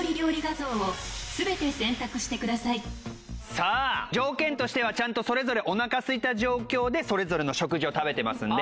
さあ条件としてはちゃんとそれぞれおなかすいた状況でそれぞれの食事を食べてますんで。